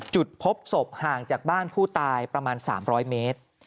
จุดพบศพห่างจากบ้านผู้ตายประมาณ๓๐๐เมตร